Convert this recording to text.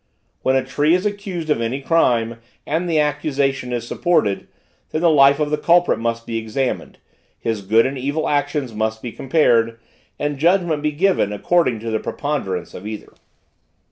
When a tree is accused of any crime, and the accusation is supported, then the life of the culprit must be examined, his good and evil actions must be compared, and judgment be given according to the preponderance of either.